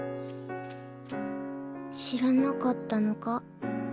知らなかったのか？